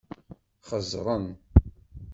Xeẓẓren.